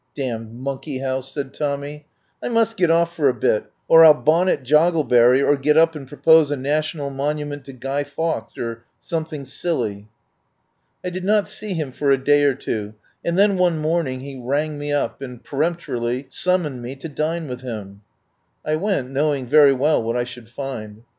"Damned monkey house," said Tommy. "I must get off for a bit, or I'll bonnet Joggle berry or get up and propose a national monu ment to Guy Fawkes, or something silly." I did not see him for a day or two, and then one morning he rang me up and peremp torily summoned me to dine with him. I went, knowing very well what I should find.